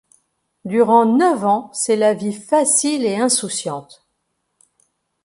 Durant neuf ans c'est la vie facile et insouciante.